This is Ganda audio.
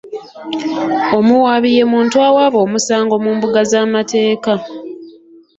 Omuwaabi ye muntu awaaba omusango mu mbuga z'amateeka.